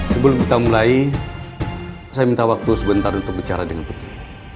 sebelum kita mulai saya minta waktu sebentar untuk bicara dengan putri